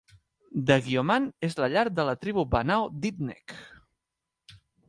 Daguioman és la llar de la tribu Banao d'Itneg.